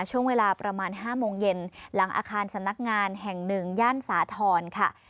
ช่วงเวลาประมาณ๕โมงเย็นหลังอาคารสำนักงานแห่งหนึ่งย่านสาธรณ์ค่ะ